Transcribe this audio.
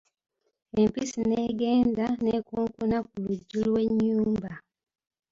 Empisi n'egenda n'ekoonkona ku luggi lw'ennyumba.